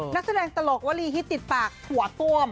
นักแสดงตลกวลีฮิตติดปากถั่วต้วม